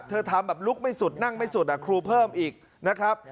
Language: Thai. ทำแบบลุกไม่สุดนั่งไม่สุดครูเพิ่มอีกนะครับ